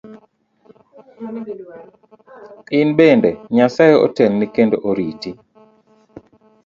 In bende Nyasaye otelni kendo oriti.